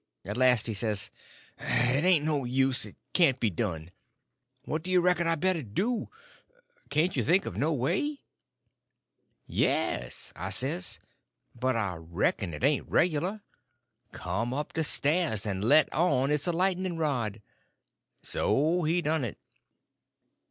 At last he says: "It ain't no use, it can't be done. What you reckon I better do? Can't you think of no way?" "Yes," I says, "but I reckon it ain't regular. Come up the stairs, and let on it's a lightning rod." So he done it.